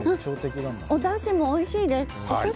おだしもおいしいです。